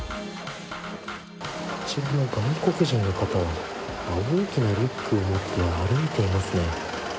あちらの外国人の方が大きなリュックを持って歩いていますね。